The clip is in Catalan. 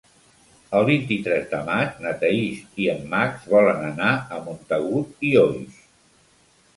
El vint-i-tres de maig na Thaís i en Max volen anar a Montagut i Oix.